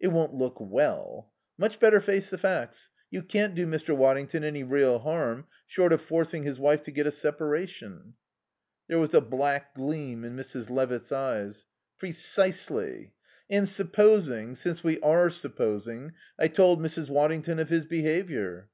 It won't look well.... Much better face the facts. You can't do Mr. Waddington any real harm, short of forcing his wife to get a separation." There was a black gleam in Mrs. Levitt's eyes. "Precisely. And supposing since we are supposing I told Mrs. Waddington of his behaviour?"